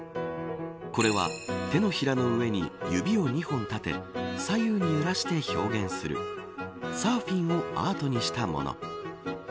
これは、手のひらの上に指を２本立て左右に揺らして表現するサーフィンをアートにしたもの。